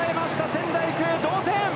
仙台育英、同点！